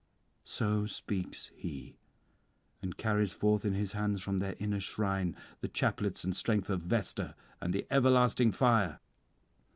So speaks he, and carries forth in his hands from their inner shrine the chaplets and strength of Vesta, and the everlasting fire.